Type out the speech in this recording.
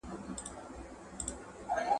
خلګ باید غفلت ونه کړي.